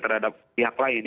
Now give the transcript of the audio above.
terhadap pihak lain